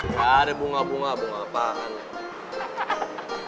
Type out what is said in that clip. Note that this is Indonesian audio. gak ada bunga bunga bunga apaan ya